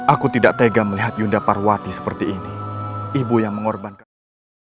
ampunilah putraku rai